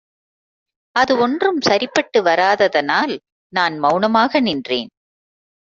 அது ஒன்றும் சரிப்பட்டு வராததனால் நான் மெளனமாக நின்றேன்.